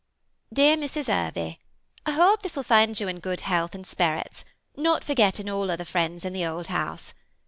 " Dear Mrs. Hervey, — I hope this will find you in good health and sperrits — not forgetting all other friends at the old house.